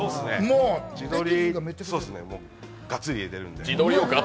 地鶏をがっつり入れてるんで。